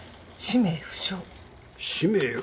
氏名不詳？